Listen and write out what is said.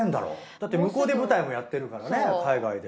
だって向こうで舞台もやってるからね海外で。